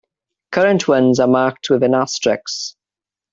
Current ones are marked with an asterisk.